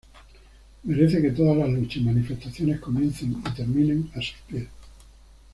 Merece que todas las luchas y manifestaciones comiencen y terminen a sus pies.